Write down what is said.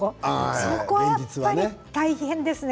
そこはやっぱり大変ですね。